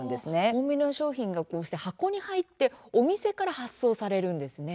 コンビニの商品がこうして箱に入ってお店から発送されるんですね。